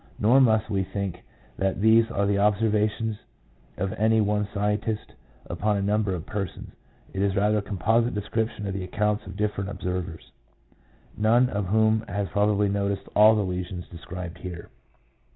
Nor must we think that these are the observations of any one scientist upon a number of persons. It is rather a composite description of the accounts of different observers, none of whom has probably noticed all the lesions described here.